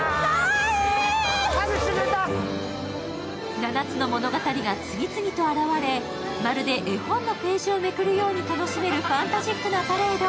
７つの物語が次々と現れ、まるで絵本のページをめくるように楽しめるファンタジックなパレード。